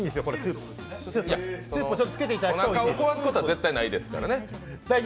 おなかを壊すことは絶対ないですから。